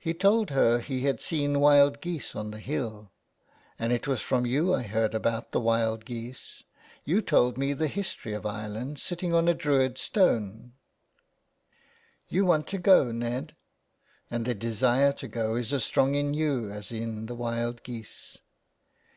He told her that he had seen wild geese on the hill. " And it was from you I heard about the wild geese. You told me the history of Ireland, sitting on a druid stone ?" 390 THE WILD GOOSE. " You want to go, Ned ? And the desire to go is as strong in you as in the wild geese.''